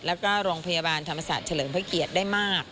แล้วก็โรงพยาบาลธรรมศาสตร์เฉลิมพระเกียรติได้มาก